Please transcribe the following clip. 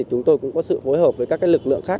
chúng tôi cũng có sự phối hợp với các lực lượng khác